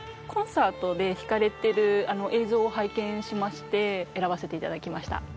コンサートで弾かれてるあの映像を拝見しまして選ばせていただきました。